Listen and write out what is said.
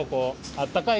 あったかい。